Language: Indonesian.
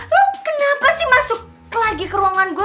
lo kenapa sih masuk lagi ke ruangan gue